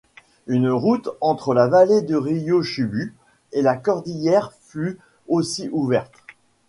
Une route entre la vallée du río Chubut et la cordillère fut aussi ouverte.